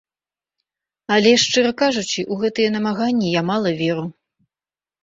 Але, шчыра кажучы, у гэтыя намаганні я мала веру.